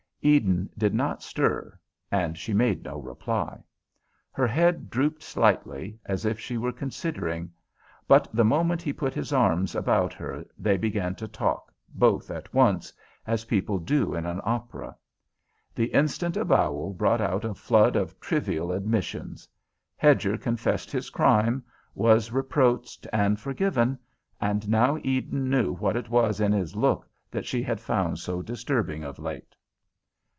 Eden did not stir, and she made no reply. Her head drooped slightly, as if she were considering. But the moment he put his arms about her they began to talk, both at once, as people do in an opera. The instant avowal brought out a flood of trivial admissions. Hedger confessed his crime, was reproached and forgiven, and now Eden knew what it was in his look that she had found so disturbing of late.